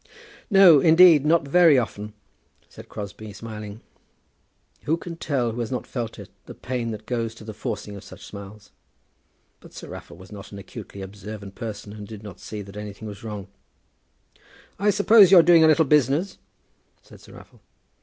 "No, indeed, not very often," said Crosbie, smiling. Who can tell, who has not felt it, the pain that goes to the forcing of such smiles? But Sir Raffle was not an acutely observant person, and did not see that anything was wrong. "I suppose you're doing a little business?" said Sir Raffle.